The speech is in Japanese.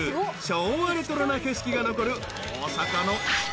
昭和レトロな景色が残る大阪の下町］